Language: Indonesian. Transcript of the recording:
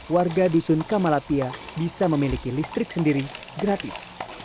warga dusun kamalapia bisa memiliki listrik sendiri gratis